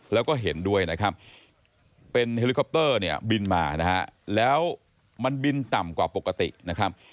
แล้วก็เห็นด้วยนะครับเป็นเฮลิคอปเตอร์เนี่ยบินมานะฮะแล้วมันบินต่ำกว่าปกตินะครับ